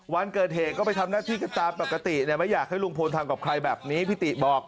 วันเกิดเหตุก็ไปทำหน้าที่กันตามปกติไม่อยากให้ลุงพลทำกับใครแบบนี้พี่ติบอก